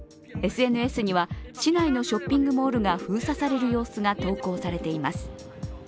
ＳＮＳには市内のショッピングモールが封鎖される様子が投稿されています。